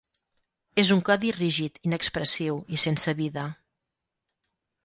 És un codi rígid, inexpressiu i sense vida.